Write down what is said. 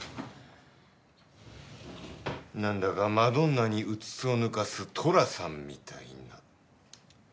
なんだかマドンナにうつつをぬかす寅さんみたいな。